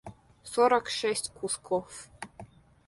сорок шесть кусков